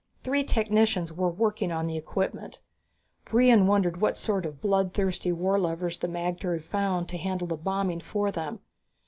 Three technicians were working on the equipment. Brion wondered what sort of blood thirsty war lovers the magter had found to handle the bombing for them.